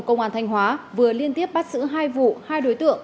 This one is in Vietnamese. cơ quan công an thanh hóa vừa liên tiếp bắt giữ hai vụ hai đối tượng